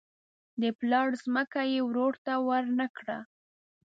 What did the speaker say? د پلار ځمکه یې ورور ته ورنه کړه.